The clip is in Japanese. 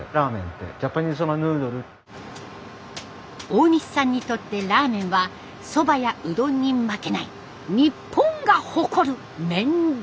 大西さんにとってラーメンはそばやうどんに負けない日本が誇る麺料理。